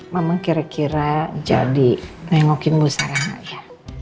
mama kira kira jadi nengokin bu sarah gak ya